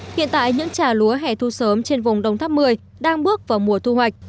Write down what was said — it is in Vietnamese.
hiện tại những trà lúa hẻ thu sớm trên vùng đông tháp một mươi đang bước vào mùa thu hoạch